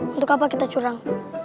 untuk apa kita curang